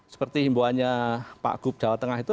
seperti imbauannya pak gub jawa tengah itu